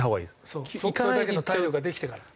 それだけの体力ができてから。